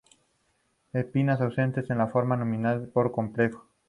Espinas ausentes en la forma nominal por completo.